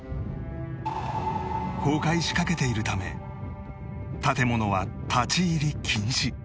崩壊しかけているため建物は立ち入り禁止